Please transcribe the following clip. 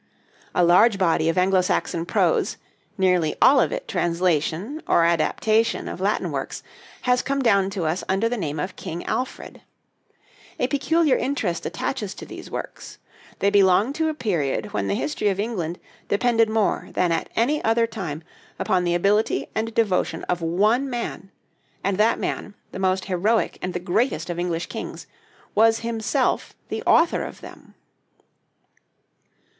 A large body of Anglo Saxon prose, nearly all of it translation or adaptation of Latin works, has come down to us under the name of King Alfred. A peculiar interest attaches to these works. They belong to a period when the history of England depended more than at any other time upon the ability and devotion of one man; and that man, the most heroic and the greatest of English kings, was himself the author of them.